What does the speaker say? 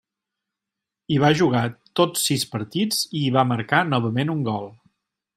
Hi va jugar tots sis partits, i hi va marcar novament un gol.